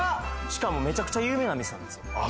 しかもめちゃくちゃ有名な店なんですよああ